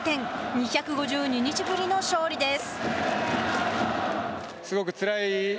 ２５２日ぶりの勝利です。